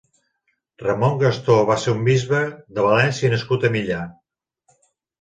Ramon Gastó va ser un bisbe de València nascut a Millà.